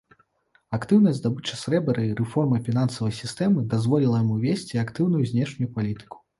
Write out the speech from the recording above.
Актыўная здабыча срэбра і рэформа фінансавай сістэмы дазволіла яму весці актыўную знешнюю палітыку.